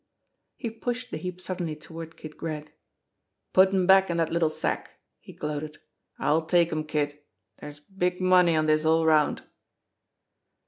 He pushed the heap suddenly toward Kid Gregg. "Put 'em back in dat little sack," he gloated. "I'll take 'em, Kid dere's big money in dis all round."